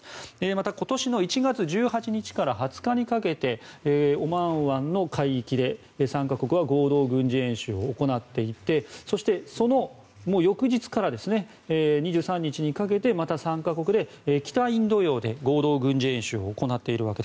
また、今年１月１８日から２０日にかけてオマーン湾の海域で３か国は合同軍事演習を行っていてそしてその翌日から２３日にかけてまた３か国で北インド洋で合同軍事演習を行っていると。